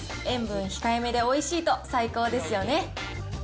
塩分控えめでおいしいと最高ですよね。